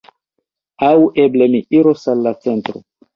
Aŭ eble mi iros al la centro.